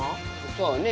そうね。